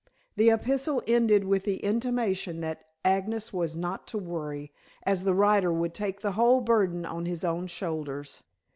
The epistle ended with the intimation that Agnes was not to worry, as the writer would take the whole burden on his own shoulders.